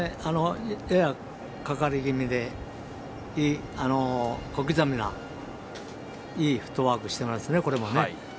やや、かかり気味で小刻みないいフットワークしてますね。